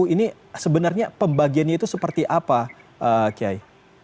ini sebenarnya pembagiannya itu seperti apa kiai